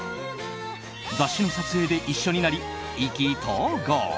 雑誌の撮影で一緒になり意気投合。